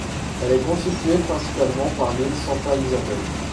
Elle est constituée principalement par l'île de Santa Isabel.